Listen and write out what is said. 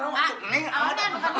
aduh gimana sih abis mandi kali ini